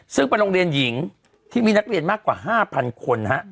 ซึ่งเป็นโรงเรียนหญิงที่มีนักเรียนมากกว่า๕๐๐คน